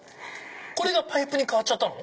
これがパイプに変わったの？